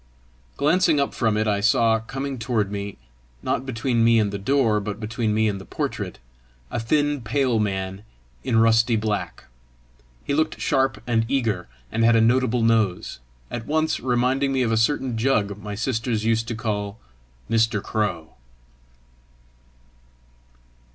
Glancing up from it, I saw coming toward me not between me and the door, but between me and the portrait a thin pale man in rusty black. He looked sharp and eager, and had a notable nose, at once reminding me of a certain jug my sisters used to call Mr. Crow.